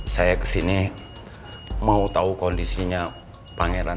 saya kesini mau tahu kondisinya pangeran